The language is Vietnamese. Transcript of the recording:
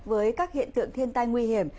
với các hiện tượng thiên tai nguy hiểm